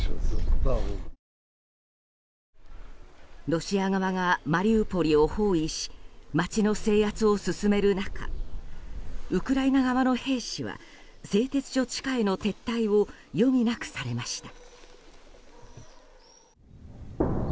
ロシア側がマリウポリを包囲し街の制圧を進める中ウクライナ側の兵士は製鉄所地下への撤退を余儀なくされました。